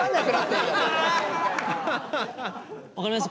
分かります？